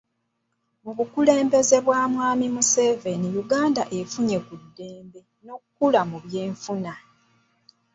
Mu bukulembeze bwa Mwami Museveni, Uganda efunye ku dembe n'okula kw'ebyenfuna